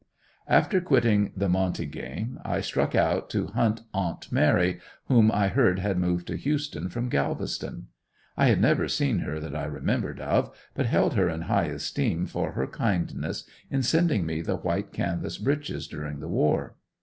After quitting the monte game I struck out to hunt aunt "Mary" whom I heard had moved to Houston from Galveston. I had never seen her that I remembered of, but held her in high esteem for her kindness in sending me the white canvas breeches during the war.